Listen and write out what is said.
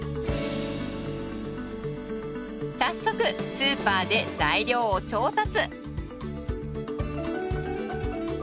早速スーパーで材料を調達！